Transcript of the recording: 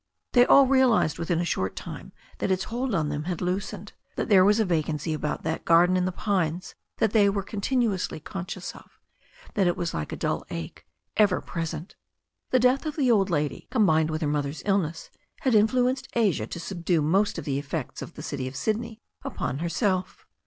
They all realized within a short time that its hold on them had loosened, that there was a vacancy about that garden in the pines that they were continually conscious of, that it was like a dull ache ever present. The death of the old lady, combined with her mother's ill ness, had influenced Asia to subdue most of the effects of the city of Sydney upon herself.